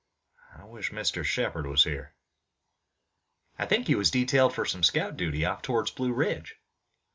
I wish Mr. Shepard was here." "I think he was detailed for some scout duty off toward the Blue Ridge."